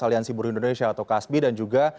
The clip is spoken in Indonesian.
aliansi buruh indonesia atau kasbi dan juga